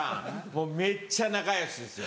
もうめっちゃ仲よしですよ。